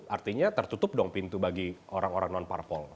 artinya tertutup dong pintu bagi orang orang non parpol